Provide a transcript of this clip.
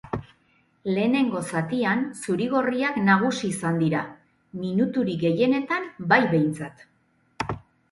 Lehenengo zatian zuri-gorriak nagusi izan dira, minuturik gehienetan bai behintzat.